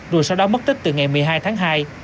rồi sau đó mất tích từ ngày một mươi hai tháng hai